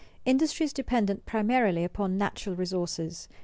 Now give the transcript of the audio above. _ Industry is dependent primarily upon natural resources.